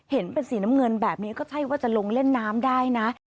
เห็นเป็นสีน้ำเงินแบบนี้ก็ใช่ว่าจะลงเล่นน้ำได้นะ